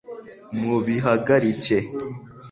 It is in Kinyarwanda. mubihagarike